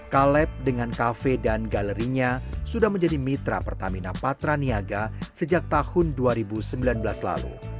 caleb dengan kafe dan galerinya sudah menjadi mitra pertamina patraniaga sejak tahun dua ribu sembilan belas lalu